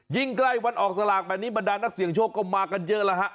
ใกล้วันออกสลากแบบนี้บรรดานักเสี่ยงโชคก็มากันเยอะแล้วฮะ